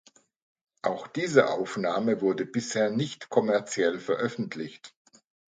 Auch diese Aufnahme wurde bisher nicht kommerziell veröffentlicht.